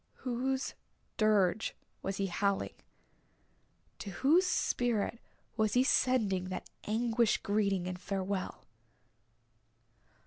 Whose dirge was he howling to whose spirit was he sending that anguished greeting and farewell?